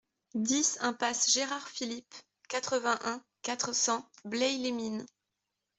dix impasse Gérard Philipe, quatre-vingt-un, quatre cents, Blaye-les-Mines